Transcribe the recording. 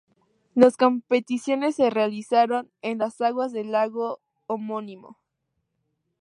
Las competiciones se realizaron en las aguas del lago homónimo.